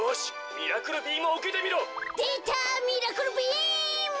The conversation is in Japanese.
「ミラクルビー」。